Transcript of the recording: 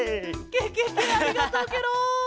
ケケケありがとうケロ！